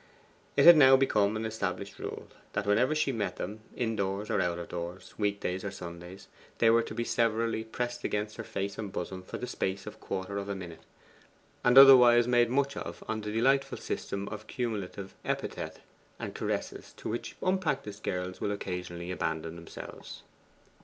It had now become an established rule, that whenever she met them indoors or out of doors, weekdays or Sundays they were to be severally pressed against her face and bosom for the space of a quarter of a minute, and other wise made much of on the delightful system of cumulative epithet and caress to which unpractised girls will occasionally abandon themselves.